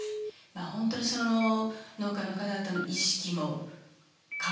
本当にその農家の方々の意識も変わりつつある。